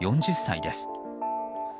４０歳です。